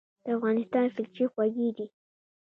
د افغانستان کلچې خوږې دي